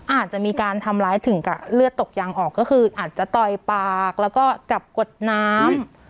อาจจะมีการทำร้ายถึงกับเลือดตกยางออกก็คืออาจจะต่อยปากแล้วก็จับกดน้ำ